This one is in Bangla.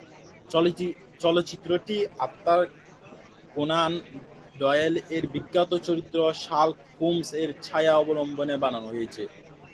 চলচ্চিত্র টি আর্থার কোনান ডয়েল এর বিখ্যাত চরিত্র শার্লক হোমস এর ছায়া অবলম্বনে বানানো হয়েছে।